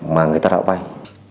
mà người ta đạo vay